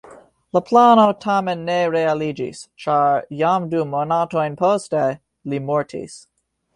La plano tamen ne realiĝis, ĉar jam du monatojn poste li mortis.